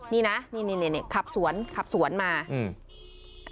นี่นะนี่นี่นี่ขับสวนขับสวนมาอืม